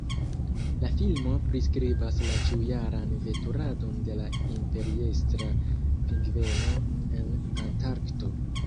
La filmo priskribas la ĉiujaran veturadon de la Imperiestra pingveno en Antarkto.